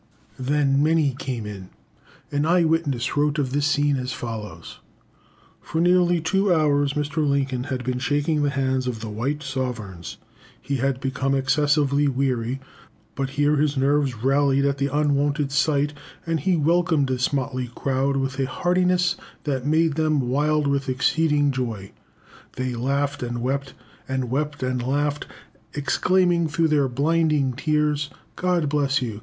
Then many came in. An eye witness wrote of this scene as follows "For nearly two hours Mr. Lincoln had been shaking the hands of the white 'sovereigns,' and had become excessively weary but here his nerves rallied at the unwonted sight, and he welcomed this motley crowd with a heartiness that made them wild with exceeding joy. They laughed and wept, and wept and laughed, exclaiming through their blinding tears, 'God bless you!